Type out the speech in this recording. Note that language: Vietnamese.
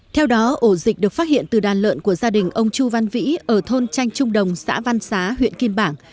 theo đó ổ dịch được phát hiện từ đàn lợn của gia đình ông chu văn vĩ ở thôn tranh trung đồng xã văn xá huyện kim bảng